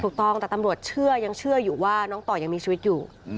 ถูกต้องแต่ตำรวจเชื่อยังเชื่ออยู่ว่าน้องต่อยังมีชีวิตอยู่